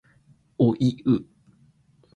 おいう